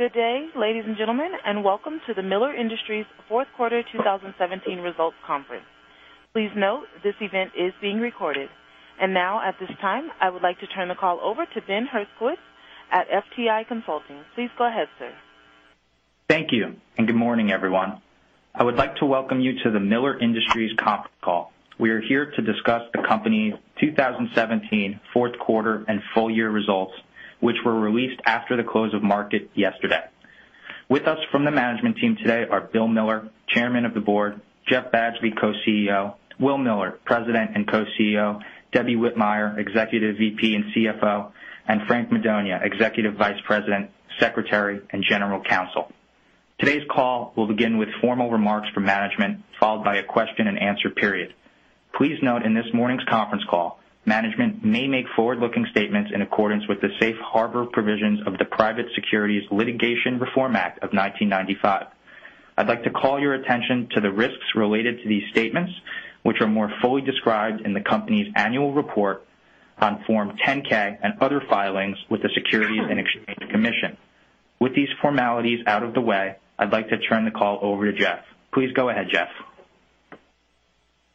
Good day, ladies and gentlemen, welcome to the Miller Industries Fourth Quarter 2017 Results Conference. Please note, this event is being recorded. Now, at this time, I would like to turn the call over to Ben Herskowitz at FTI Consulting. Please go ahead, sir. Thank you, and good morning, everyone. I would like to welcome you to the Miller Industries conference call. We are here to discuss the company's 2017 fourth quarter and full year results, which were released after the close of market yesterday. With us from the management team today are Bill Miller, Chairman of the Board, Jeff Badgley, Co-CEO, Will Miller, President and Co-CEO, Debbie Whitmire, Executive VP and CFO, and Frank Madonia, Executive Vice President, Secretary, and General Counsel. Today's call will begin with formal remarks from management, followed by a question and answer period. Please note, in this morning's conference call, management may make forward-looking statements in accordance with the Safe Harbor Provisions of the Private Securities Litigation Reform Act of 1995. I'd like to call your attention to the risks related to these statements, which are more fully described in the company's annual report on Form 10-K and other filings with the Securities and Exchange Commission. With these formalities out of the way, I'd like to turn the call over to Jeff. Please go ahead, Jeff.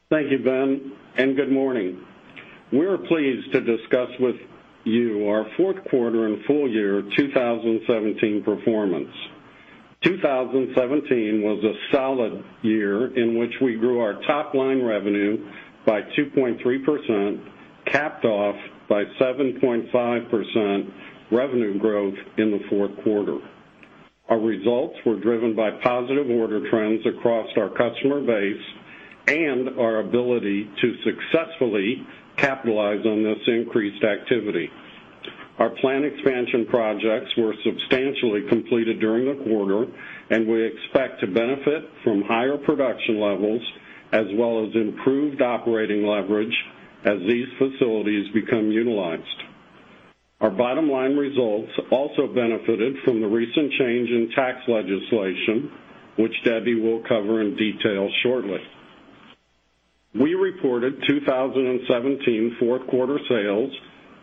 Thank you, Ben, and good morning. We're pleased to discuss with you our fourth quarter and full year 2017 performance. 2017 was a solid year in which we grew our top-line revenue by 2.3%, capped off by 7.5% revenue growth in the fourth quarter. Our results were driven by positive order trends across our customer base and our ability to successfully capitalize on this increased activity. Our plant expansion projects were substantially completed during the quarter, and we expect to benefit from higher production levels as well as improved operating leverage as these facilities become utilized. Our bottom-line results also benefited from the recent change in tax legislation, which Debbie will cover in detail shortly. We reported 2017 fourth quarter sales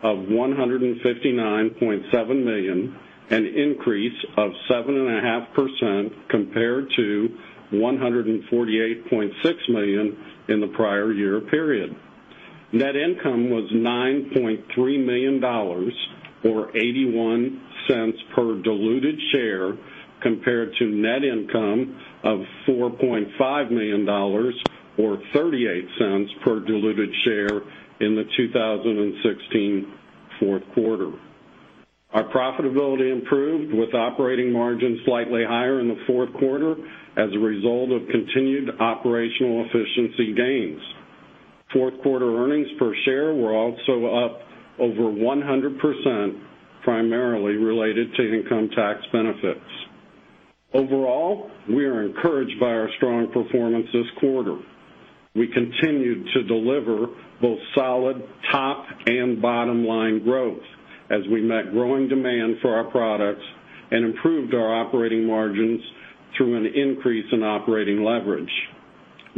of $159.7 million, an increase of 7.5% compared to $148.6 million in the prior year period. Net income was $9.3 million, or $0.81 per diluted share, compared to net income of $4.5 million, or $0.38 per diluted share in the 2016 fourth quarter. Our profitability improved, with operating margins slightly higher in the fourth quarter as a result of continued operational efficiency gains. Fourth quarter earnings per share were also up over 100%, primarily related to income tax benefits. Overall, we are encouraged by our strong performance this quarter. We continued to deliver both solid top and bottom-line growth as we met growing demand for our products and improved our operating margins through an increase in operating leverage.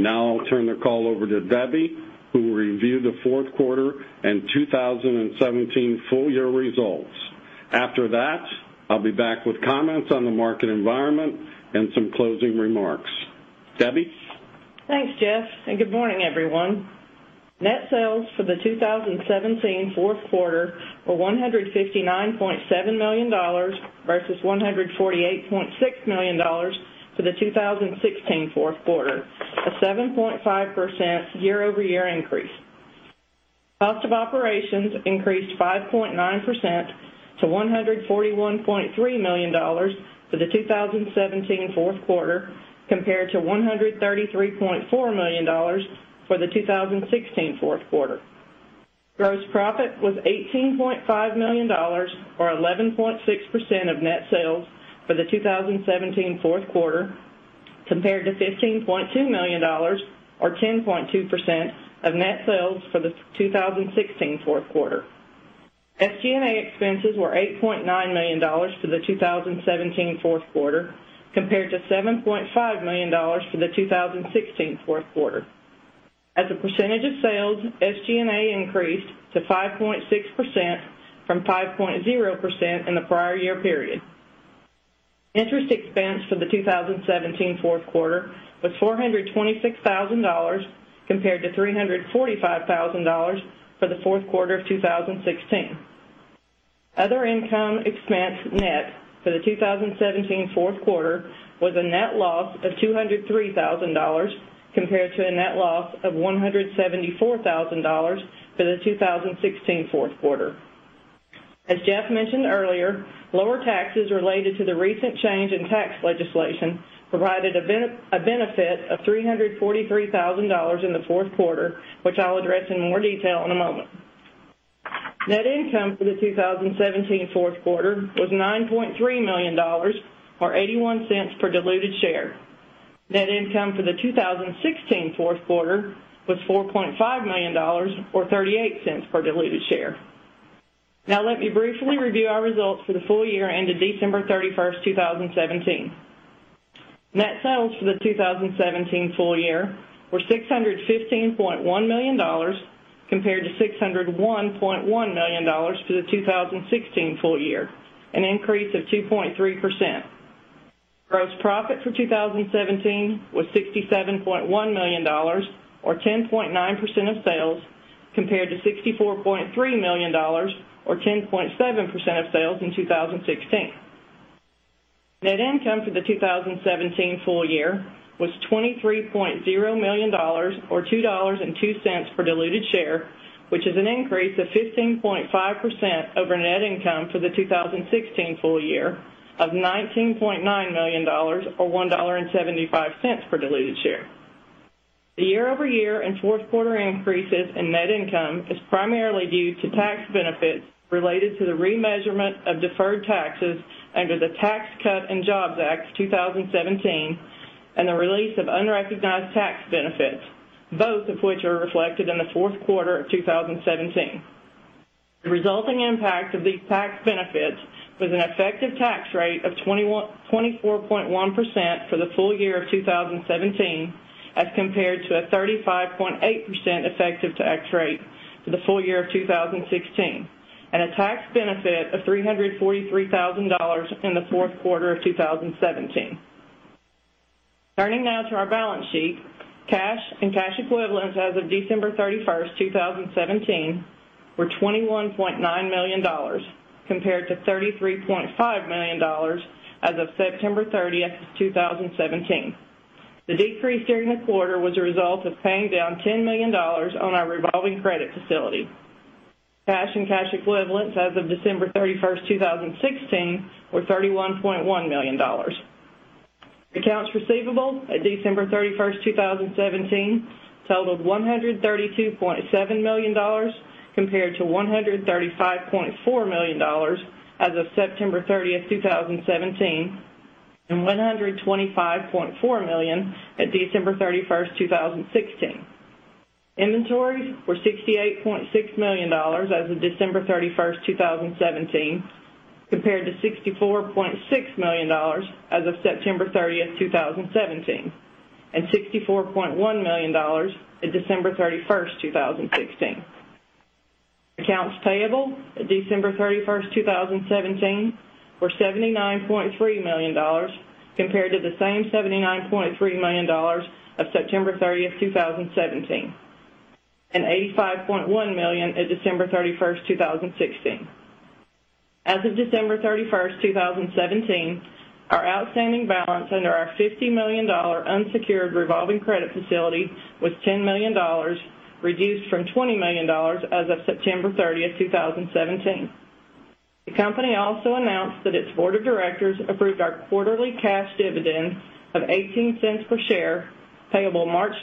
I'll turn the call over to Debbie, who will review the fourth quarter and 2017 full year results. After that, I'll be back with comments on the market environment and some closing remarks. Debbie? Thanks, Jeff, and good morning, everyone. Net sales for the 2017 fourth quarter were $159.7 million versus $148.6 million for the 2016 fourth quarter, a 7.5% year-over-year increase. Cost of operations increased 5.9% to $141.3 million for the 2017 fourth quarter, compared to $133.4 million for the 2016 fourth quarter. Gross profit was $18.5 million, or 11.6% of net sales for the 2017 fourth quarter, compared to $15.2 million, or 10.2% of net sales for the 2016 fourth quarter. SG&A expenses were $8.9 million for the 2017 fourth quarter, compared to $7.5 million for the 2016 fourth quarter. As a percentage of sales, SG&A increased to 5.6% from 5.0% in the prior year period. Interest expense for the 2017 fourth quarter was $426,000, compared to $345,000 for the fourth quarter of 2016. Other income expense net for the 2017 fourth quarter was a net loss of $203,000, compared to a net loss of $174,000 for the 2016 fourth quarter. As Jeff mentioned earlier, lower taxes related to the recent change in tax legislation provided a benefit of $343,000 in the fourth quarter, which I'll address in more detail in a moment. Net income for the 2017 fourth quarter was $9.3 million, or $0.81 per diluted share. Net income for the 2016 fourth quarter was $4.5 million, or $0.38 per diluted share. Let me briefly review our results for the full year ended December 31st, 2017. Net sales for the 2017 full year were $615.1 million compared to $601.1 million for the 2016 full year, an increase of 2.3%. Gross profit for 2017 was $67.1 million or 10.9% of sales compared to $64.3 million or 10.7% of sales in 2016. Net income for the 2017 full year was $23.0 million or $2.02 for diluted share, which is an increase of 15.5% over net income for the 2016 full year of $19.9 million or $1.75 for diluted share. The year-over-year and fourth quarter increases in net income is primarily due to tax benefits related to the remeasurement of deferred taxes under the Tax Cuts and Jobs Act of 2017 and the release of unrecognized tax benefits, both of which are reflected in the fourth quarter of 2017. The resulting impact of these tax benefits was an effective tax rate of 24.1% for the full year of 2017 as compared to a 35.8% effective tax rate for the full year of 2016, and a tax benefit of $343,000 in the fourth quarter of 2017. Turning to our balance sheet. Cash and cash equivalents as of December 31st, 2017 were $21.9 million compared to $33.5 million as of September 30th, 2017. The decrease during the quarter was a result of paying down $10 million on our revolving credit facility. Cash and cash equivalents as of December 31st, 2016 were $31.1 million. Accounts receivable at December 31st, 2017 totaled $132.7 million compared to $135.4 million as of September 30th, 2017, and $125.4 million at December 31st, 2016. Inventories were $68.6 million as of December 31st, 2017 compared to $64.6 million as of September 30th, 2017, and $64.1 million at December 31st, 2016. Accounts payable at December 31st, 2017 were $79.3 million compared to the same $79.3 million of September 30th, 2017, and $85.1 million at December 31st, 2016. As of December 31st, 2017, our outstanding balance under our $50 million unsecured revolving credit facility was $10 million, reduced from $20 million as of September 30th, 2017. The company also announced that its board of directors approved our quarterly cash dividend of $0.18 per share payable March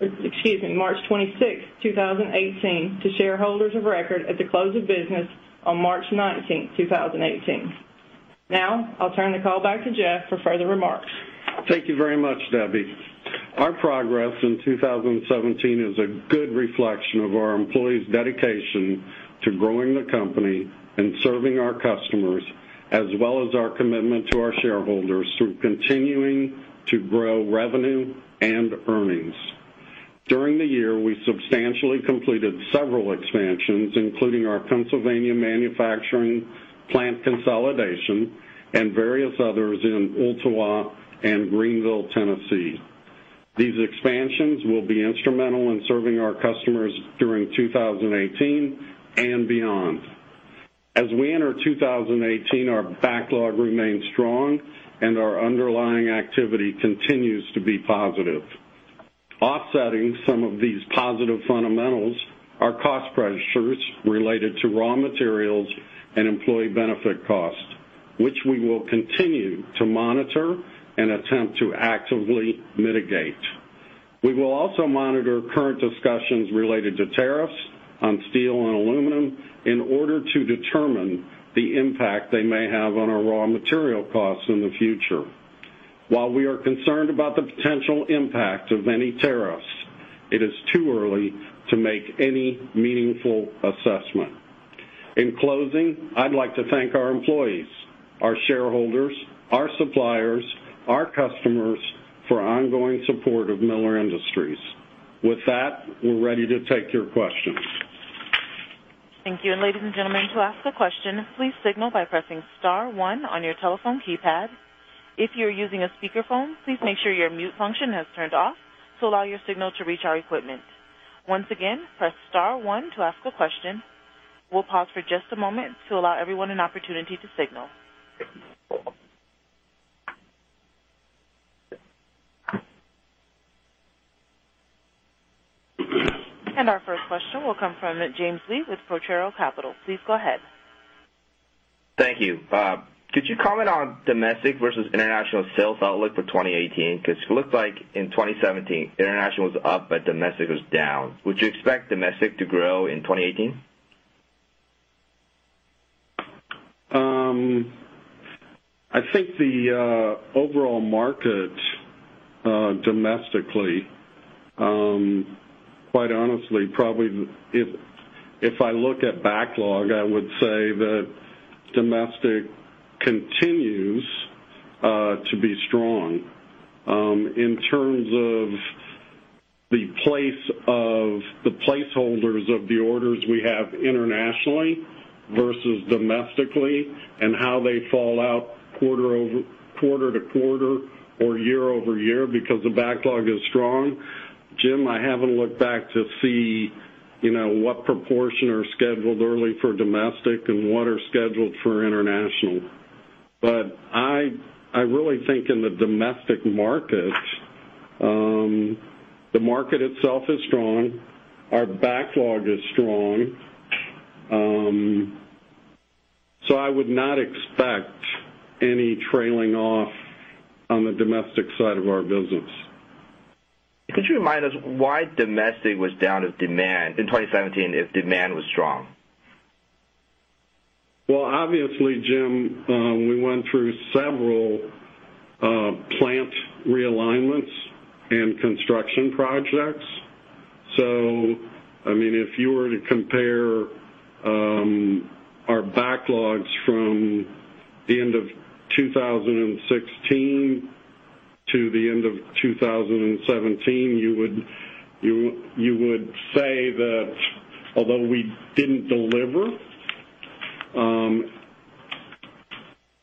26th, 2018 to shareholders of record at the close of business on March 19th, 2018. I'll turn the call back to Jeff for further remarks. Thank you very much, Debbie. Our progress in 2017 is a good reflection of our employees' dedication to growing the company and serving our customers, as well as our commitment to our shareholders through continuing to grow revenue and earnings. During the year, we substantially completed several expansions, including our Pennsylvania manufacturing plant consolidation and various others in Ooltewah and Greeneville, Tennessee. These expansions will be instrumental in serving our customers during 2018 and beyond. As we enter 2018, our backlog remains strong and our underlying activity continues to be positive. Offsetting some of these positive fundamentals are cost pressures related to raw materials and employee benefit costs, which we will continue to monitor and attempt to actively mitigate. We will also monitor current discussions related to tariffs on steel and aluminum in order to determine the impact they may have on our raw material costs in the future. While we are concerned about the potential impact of any tariffs, it is too early to make any meaningful assessment. In closing, I'd like to thank our employees, our shareholders, our suppliers, our customers for ongoing support of Miller Industries. With that, we're ready to take your questions. Thank you. Ladies and gentlemen, to ask a question, please signal by pressing star 1 on your telephone keypad. If you're using a speakerphone, please make sure your mute function is turned off to allow your signal to reach our equipment. Once again, press star 1 to ask a question. We'll pause for just a moment to allow everyone an opportunity to signal. Our first question will come from James Lee with Potrero Capital. Please go ahead. Thank you. Could you comment on domestic versus international sales outlook for 2018? It looks like in 2017 international was up but domestic was down. Would you expect domestic to grow in 2018? I think the overall market domestically, quite honestly, probably if I look at backlog, I would say that domestic continues to be strong. In terms of the placeholders of the orders we have internationally versus domestically and how they fall out quarter-to-quarter or year-over-year because the backlog is strong, Jim, I haven't looked back to see what proportion are scheduled early for domestic and what are scheduled for international. I really think in the domestic market, the market itself is strong, our backlog is strong, I would not expect any trailing off on the domestic side of our business. Could you remind us why domestic was down, as demand in 2017 if demand was strong? Obviously, Jim, we went through several plant realignments and construction projects. If you were to compare our backlogs from the end of 2016 to the end of 2017, you would say that although we didn't deliver,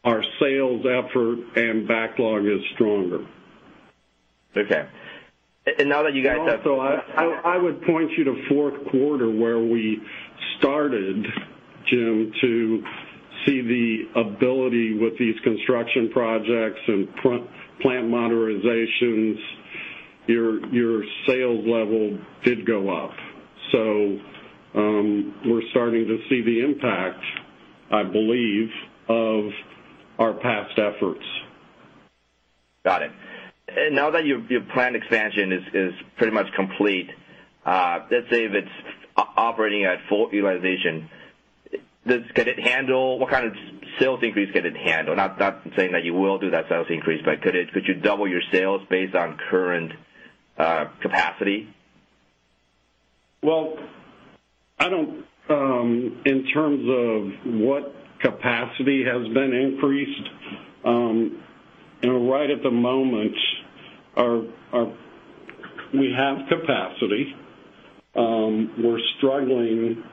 our sales effort and backlog is stronger. Okay. Now that you guys Also, I would point you to fourth quarter where we started, Jim, to see the ability with these construction projects and plant modernizations. Your sales level did go up. We're starting to see the impact, I believe, of our past efforts. Got it. Now that your planned expansion is pretty much complete, let's say if it's operating at full utilization, what kind of sales increase could it handle? Not saying that you will do that sales increase, but could you double your sales based on current capacity? In terms of what capacity has been increased, right at the moment, we have capacity. We're struggling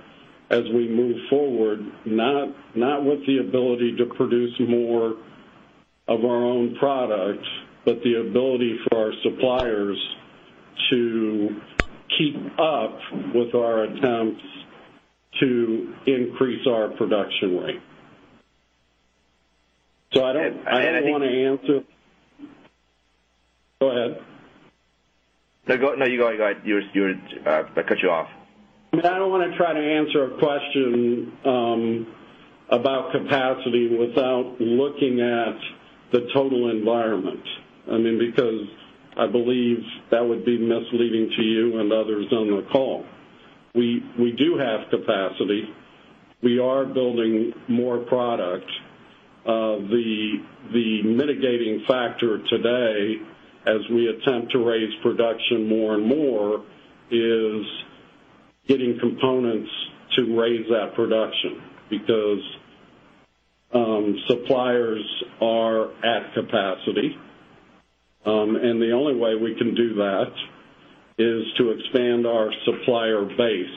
as we move forward, not with the ability to produce more of our own product, but the ability for our suppliers to keep up with our attempts to increase our production rate. I don't want to answer Go ahead. No, you go. I cut you off. I don't want to try to answer a question about capacity without looking at the total environment. I believe that would be misleading to you and others on the call. We do have capacity. We are building more product. The mitigating factor today, as we attempt to raise production more and more, is getting components to raise that production, because suppliers are at capacity. The only way we can do that is to expand our supplier base,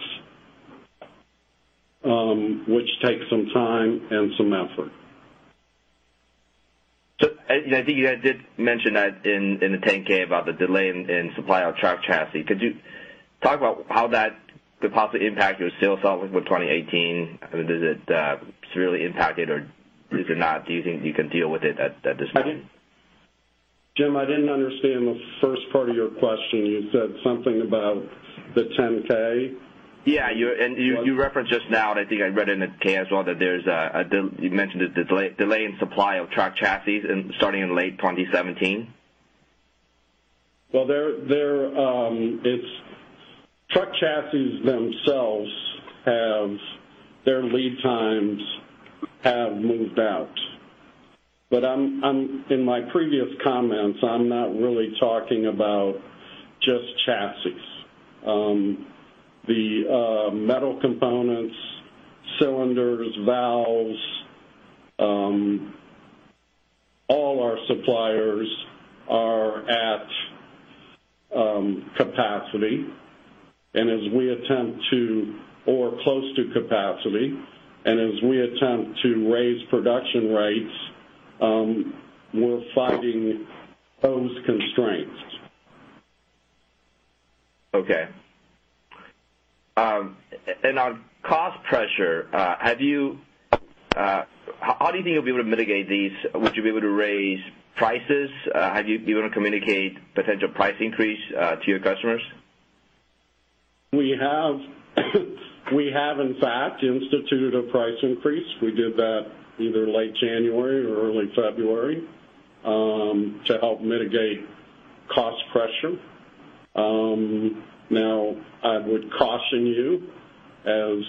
which takes some time and some effort. I think you guys did mention that in the 10-K about the delay in supply of truck chassis. Could you talk about how that could possibly impact your sales outlook for 2018? I mean, does it severely impact it or not? Do you think you can deal with it at this point? James, I didn't understand the first part of your question. You said something about the 10-K. Yeah. You referenced just now, I think I read it in the K as well, that you mentioned the delay in supply of truck chassis starting in late 2017. Well, truck chassis themselves, their lead times have moved out. In my previous comments, I'm not really talking about just chassis. The metal components, cylinders, valves, all our suppliers are at capacity or close to capacity, and as we attempt to raise production rates, we're finding those constraints. Okay. On cost pressure, how do you think you'll be able to mitigate these? Would you be able to raise prices? Have you been able to communicate potential price increase to your customers? We have, in fact, instituted a price increase. We did that either late January or early February to help mitigate cost pressure. I would caution you as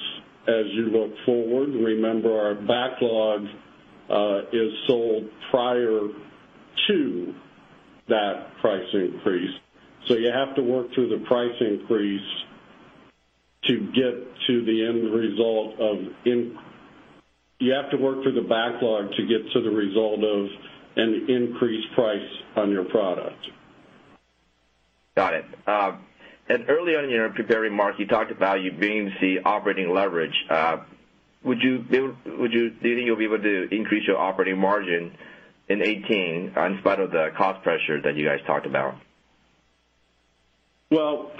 you look forward, remember our backlog is sold prior to that price increase. You have to work through the backlog to get to the result of an increased price on your product. Got it. Early on in your prepared remarks, you talked about you being the operating leverage. Do you think you'll be able to increase your operating margin in 2018 in spite of the cost pressure that you guys talked about? Well,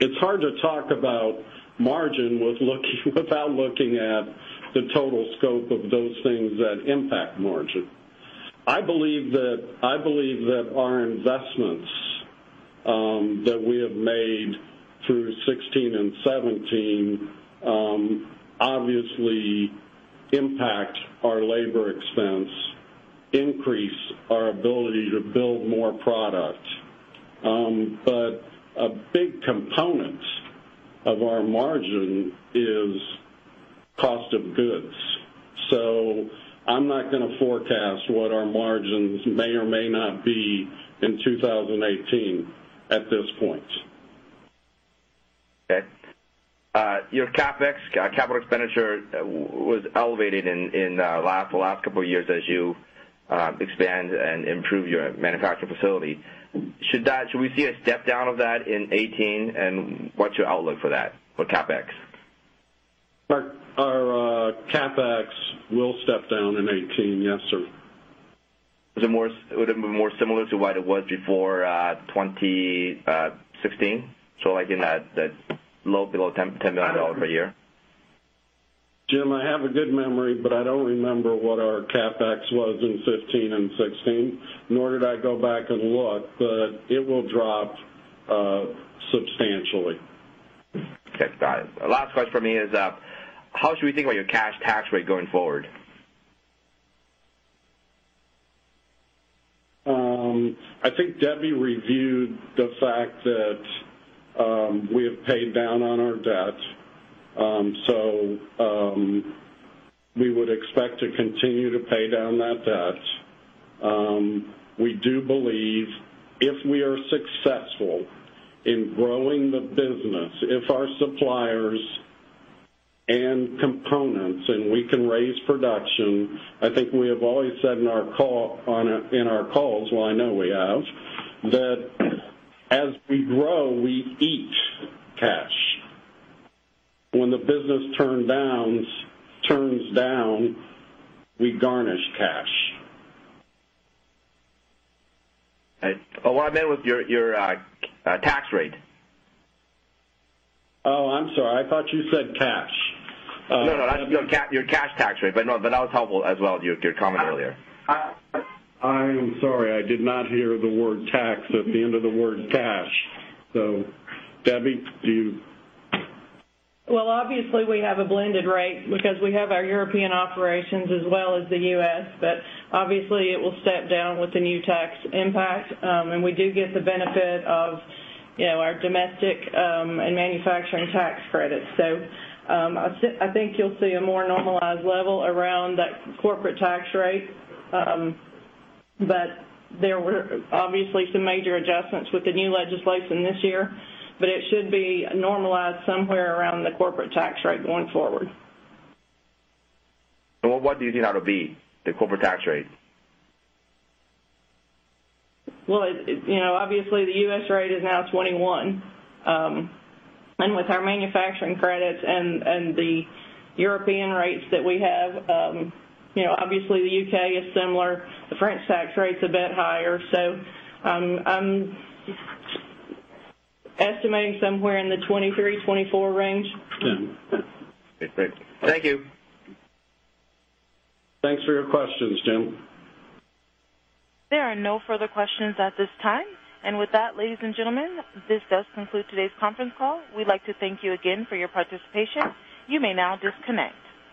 it's hard to talk about margin without looking at the total scope of those things that impact margin. I believe that our investments that we have made through 2016 and 2017 obviously impact our labor expense, increase our ability to build more product. A big component of our margin is cost of goods. I'm not going to forecast what our margins may or may not be in 2018 at this point. Okay. Your CapEx, capital expenditure, was elevated in the last couple of years as you expand and improve your manufacturing facility. Should we see a step-down of that in 2018, and what's your outlook for that, for CapEx? Our CapEx will step down in 2018. Yes, sir. Would it be more similar to what it was before 2016? Like below $10 million per year? Jim, I have a good memory, but I don't remember what our CapEx was in 2015 and 2016, nor did I go back and look, but it will drop substantially. Okay, got it. Last question from me is, how should we think about your cash tax rate going forward? I think Debbie reviewed the fact that we have paid down on our debt. We would expect to continue to pay down that debt. We do believe if we are successful in growing the business, if our suppliers and components, and we can raise production, I think we have always said in our calls, well, I know we have, that as we grow, we eat cash. When the business turns down, we garnish cash. Okay. I meant with your tax rate. I'm sorry. I thought you said cash. No, your cash tax rate. That was helpful as well, your comment earlier. I am sorry, I did not hear the word tax at the end of the word cash. Debbie, do you Obviously, we have a blended rate because we have our European operations as well as the U.S., but obviously, it will step down with the new tax impact. We do get the benefit of our domestic and manufacturing tax credits. I think you'll see a more normalized level around that corporate tax rate. There were obviously some major adjustments with the new legislation this year, but it should be normalized somewhere around the corporate tax rate going forward. What do you think that'll be, the corporate tax rate? Obviously, the U.S. rate is now 21. With our manufacturing credits and the European rates that we have, obviously, the U.K. is similar. The French tax rate's a bit higher, so I'm estimating somewhere in the 23-24 range. Okay, great. Thank you. Thanks for your questions, Jim. There are no further questions at this time. With that, ladies and gentlemen, this does conclude today's conference call. We'd like to thank you again for your participation. You may now disconnect.